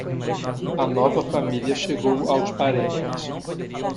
A nova família chegou aos parentes.